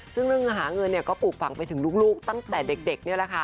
ซึ่งเรื่องหาเงินเนี่ยก็ปลูกฝังไปถึงลูกตั้งแต่เด็กนี่แหละค่ะ